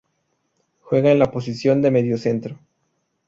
Juega en la posición de mediocentro.